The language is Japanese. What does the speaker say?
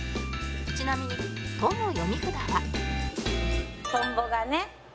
ちなみに「と」の読み札は